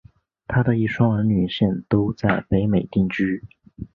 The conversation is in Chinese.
她的一双儿女现都在北美定居。